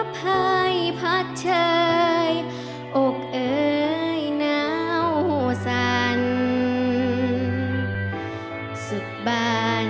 ภายผัดเชยอกเอ๋ยหนาวสั่นสุดบรรทอน